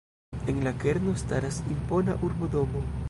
En la kerno staras impona urbodomo.